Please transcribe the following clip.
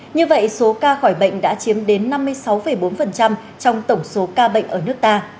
như vậy số ca khỏi bệnh đã chiếm đến năm mươi sáu bốn trong tổng số ca bệnh ở nước ta